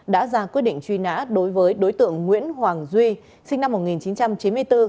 đã ra quyết định truy nã đối với đối tượng nguyễn hoàng duy sinh năm một nghìn chín trăm chín mươi bốn